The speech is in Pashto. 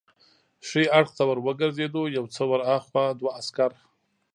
ښي اړخ ته ور وګرځېدو، یو څه ور هاخوا دوه عسکر.